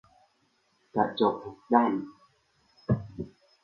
กระจกหกด้าน